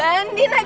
bandin aja terus